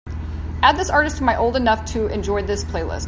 add this artist to my Old Enough To Enjoy This playlist